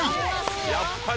やっぱり！